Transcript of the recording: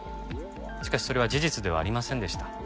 しかしそれは事実ではありませんでした。